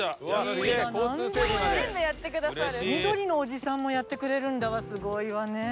緑のおじさんもやってくれるんだわすごいわね。